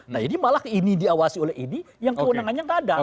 nah jadi malah ini diawasi oleh ini yang kewenangannya nggak ada